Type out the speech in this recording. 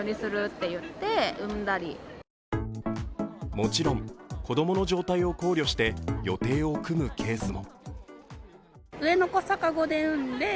もちろん子供の状態を考慮して予定を組むケースも。